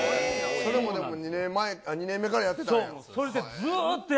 それも２年前、２年目からやってたんや。